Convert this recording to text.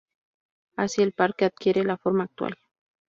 Así el parque adquiere la forma actual.